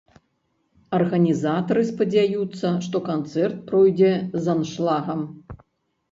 Арганізатары спадзяюцца, што канцэрт пройдзе з аншлагам.